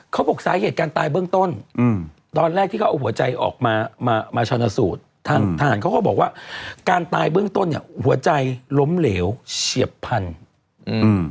เขาบอกสาเหตุการตายเบื้องต้นอืมตอนแรกที่เขาเอาหัวใจออกมามาชนะสูตรทางทหารเขาก็บอกว่าการตายเบื้องต้นเนี้ยหัวใจล้มเหลวเฉียบพันธุ์อืม